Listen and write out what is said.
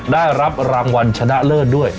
ได้รับรางวัลชนะเลิศด้วย